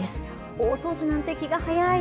大掃除なんて気が早い。